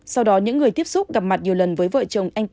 sau đó những người tiếp xúc gặp mặt nhiều lần với vợ chồng anh tý